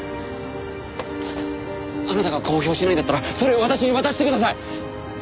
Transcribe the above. あなたが公表しないんだったらそれを私に渡してください！